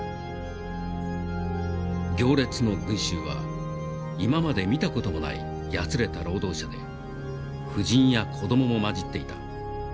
「行列の群衆は今まで見た事もないやつれた労働者で婦人や子どもも交じっていた。